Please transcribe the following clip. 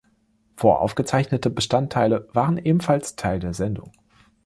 Voraufgezeichnete Bestandteile waren ebenfalls Teil der Sendung.